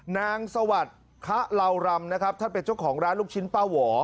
นางสวัสดิ์คะเหลารำนะครับท่านเป็นเจ้าของร้านลูกชิ้นป้าหวอ